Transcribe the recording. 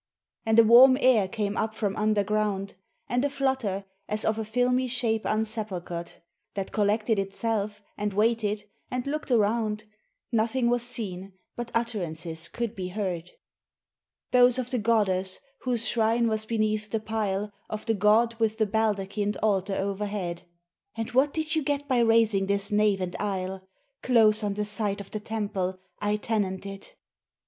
And a warm air came up from underground, And a flutter, as of a filmy shape unsepulchred, That collected itself, and waited, and looked around: Nothing was seen, but utterances could be heard: Those of the goddess whose shrine was beneath the pile Of the God with the baldachined altar overhead: "And what did you get by raising this nave and aisle Close on the site of the temple I tenanted?